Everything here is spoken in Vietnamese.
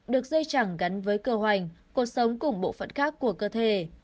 được dây chẳng gắn với cơ hoành cuộc sống cùng bộ phận khác của cơ thể